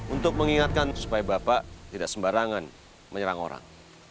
untuk mengingatkan supaya bapak tidak sembarangan menyerang orang